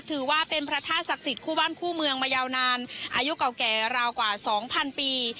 ถือว่าเป็นพระธาตุศักดิ์สิทธิ์คู่บ้านคู่เมืองมายาวนานอายุเก่าแก่ราวกว่าสองพันปี